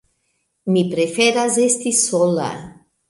Mi preferas esti sola.